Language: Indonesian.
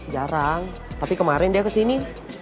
jarang tapi kemarin dia kesini